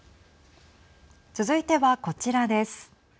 続いては、こちらです。